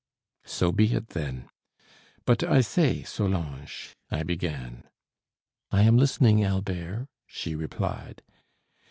"So be it, then; but I say, Solange," I began. "I am listening, Albert," she replied.